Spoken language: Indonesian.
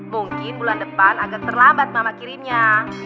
mungkin bulan depan agak terlambat mama kirimnya